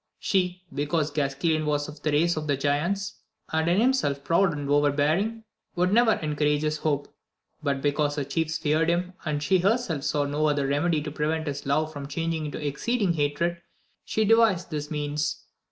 She, because Gasquilan was of the race of the giants, and in himself proud and overbearing, would never encourage his hope; but because her chiefs feared him, and she herself saw no otherxemedy to prevent his love from changing into exceeding hatred, she devised this means.